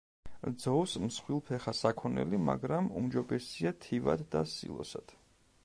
ძოვს მსხვილფეხა საქონელი, მაგრამ უმჯობესია თივად და სილოსად.